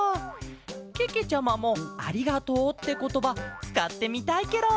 けけちゃまも「ありがとう」ってことばつかってみたいケロ。